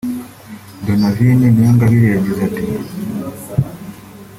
Donavine Niyongabire yagize ati